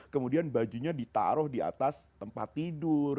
kemudian bajunya ditaruh di atas tempat tidur